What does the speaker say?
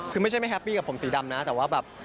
คือไม่ใช่ไม่แฮปปี้กับผมสีดำนะแต่ว่าแบบ